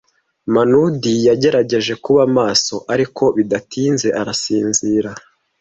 Manudi yagerageje kuba maso, ariko bidatinze arasinzira.